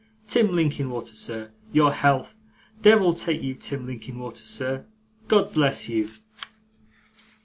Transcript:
Tim Linkinwater, sir, your health. Devil take you, Tim Linkinwater, sir, God bless you.